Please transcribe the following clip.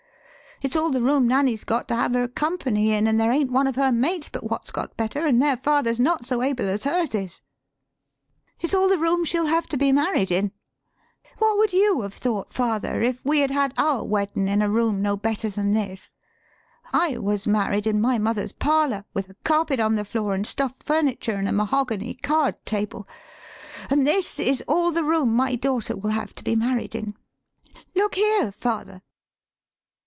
It's all the room Nanny's got to have her company in; an' there ain't one of her mates but what's got better, an' their fathers not so able as hers is. It's all the room she'll have to be married in. What would you have thought, father, if we had had our weddin' in a room no better than this? I was married in my mother's parlor, with a carpet on the floor, an' stuffed furniture, an' a mahogany card table. An' this is all the room my daughter will have to be married in. Look here, father!"